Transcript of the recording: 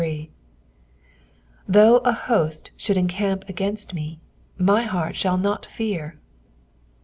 Though an bott should encamp against me, tap heart ikaU not fear."